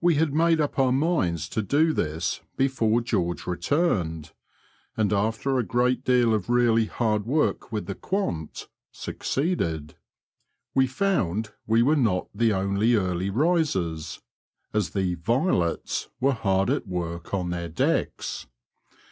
We had made up our minds to do this before George returned, and after a great deal of really hard work with the quant, succeeded. We found we were not the only early risers, as the *' Violets" were hard at work on their decks.